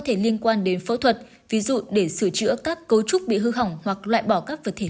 thể liên quan đến phẫu thuật ví dụ để sửa chữa các cấu trúc bị hư hỏng hoặc loại bỏ các vật thể